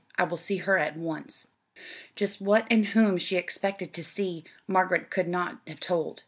"I will see her at once." Just what and whom she expected to see, Margaret could not have told.